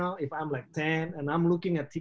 kalau saya sepuluh tahun dan saya melihat tk tujuh